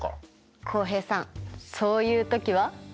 浩平さんそういう時は。